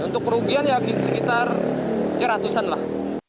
untuk kerugian ya sekitar ya ratusan lah